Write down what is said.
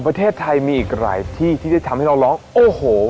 ประเทศไทยมีอีกหลายที่ที่จะทำให้เราร้องโอ้โห